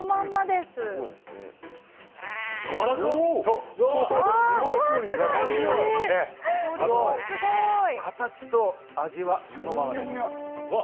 すごい！形と味はそのままです。